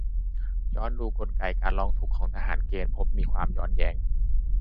ย้อนดูกลไกการร้องทุกข์ของทหารเกณฑ์ พบมีความย้อนแย้ง